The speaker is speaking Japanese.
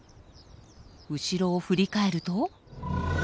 後ろを振り返ると。